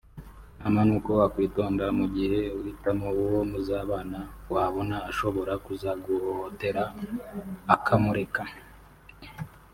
inama nuko wakwitonda mu gihe uhitamo uwo muzabana wabona ashobora kuzaguhohotera ukamureka